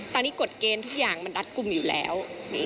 ตอนนี้กฎเกณฑ์ทุกอย่างมันรัดกลุ่มอยู่แล้ว